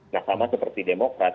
nah sama seperti demokrat